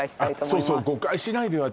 そうそう誤解しないでよ